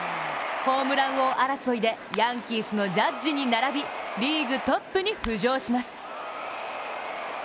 ホームラン王争いでヤンキースのジャッジに並びリーグトップに浮上します。